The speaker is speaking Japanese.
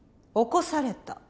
起こされた？